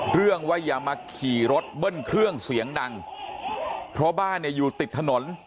เรื่องว่าอย่ามาขี่รถเบิ้ลเครื่องเสียงดังเพราะบ้านเนี่ยอยู่ติดถนน